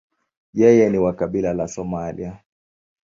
Yeye ni wa kabila la Somalia.